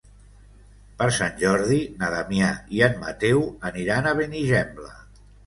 Per Sant Jordi na Damià i en Mateu aniran a Benigembla.